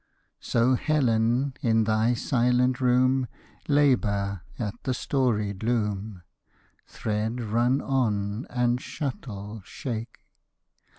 So, Helen, in thy silent room, Labor at the storied loom; (Thread, run on; and, shuttle, shake!)